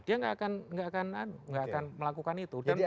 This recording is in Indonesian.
dia nggak akan melakukan itu